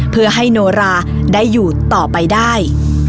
เพื่อให้โนราได้อยู่ต่อไปได้